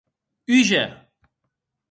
Húger!